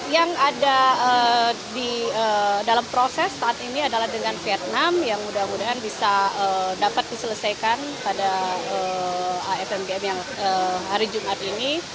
yang ada di dalam proses saat ini adalah dengan vietnam yang mudah mudahan bisa dapat diselesaikan pada afmbm yang hari jumat ini